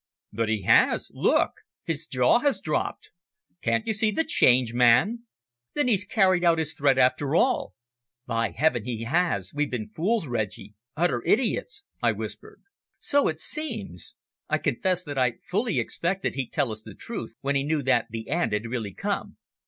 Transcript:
"But he has. Look! His jaw has dropped. Can't you see the change, man!" "Then he's carried out his threat after all!" "By Heaven, he has! We've been fools, Reggie utter idiots!" I whispered. "So it seems. I confess that I fully expected he'd tell us the truth when he knew that the end had really come."